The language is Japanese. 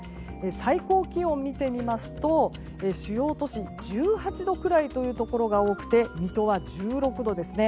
最高気温を見てみますと主要都市１８度くらいというところが多くて、水戸は１６度ですね。